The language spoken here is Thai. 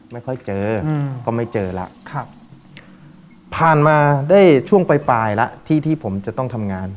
ไม่ค่อยเจอก็ไม่เจอละผ่านมาได้ช่วงปลายละที่ผมจะต้องทำงาน